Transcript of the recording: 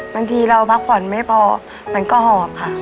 บางทีเราพักผ่อนไม่พอมันก็หอบค่ะ